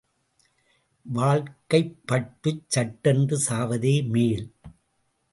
வாழ்க்கைப்பட்டுச் சட்டென்று சாவதே மேல்.